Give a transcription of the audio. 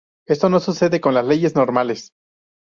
Esto no sucede con las leyes normales.